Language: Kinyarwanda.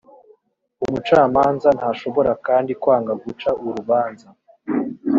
umucamanza ntashobora kandi kwanga guca urubanza